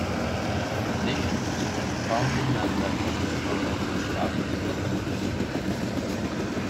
In addition, he was a founding member of the Oriental Club of Philadelphia.